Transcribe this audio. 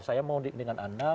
saya mau dengan anda